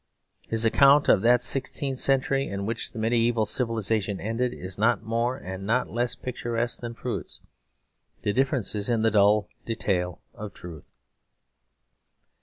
His account of that sixteenth century in which the mediaeval civilisation ended, is not more and not less picturesque than Froude's: the difference is in the dull detail of truth.